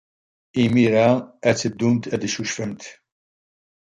Imir-a ad teddumt ad teccucfemt.